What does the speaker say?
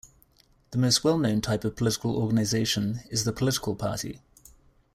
The most well known type of political organisation is the political party.